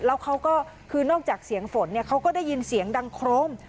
แล้วเขาก็คือนอกจากเสียงฝนเขาก็ได้ยินเสียงดังโครม